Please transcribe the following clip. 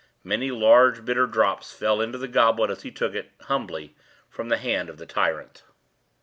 Many large, bitter drops fell into the goblet as he took it, humbly, from the hand of the tyrant.